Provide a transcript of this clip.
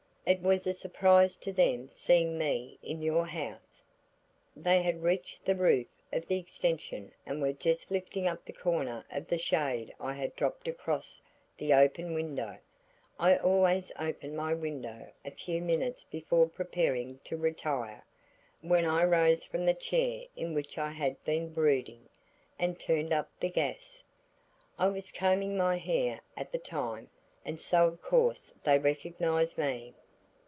It was a surprise to them seeing me in your house. They had reached the roof of the extension and were just lifting up the corner of the shade I had dropped across the open window I always open my window a few minutes before preparing to retire when I rose from the chair in which I had been brooding, and turned up the gas. I was combing my hair at the time and so of course they recognized me.